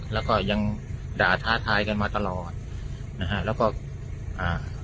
แล้วก็ยังด่าท้าทายกันมาตลอดนะฮะแล้วก็อ่า